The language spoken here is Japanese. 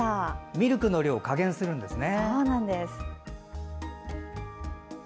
ミルクの量を加減するんですね？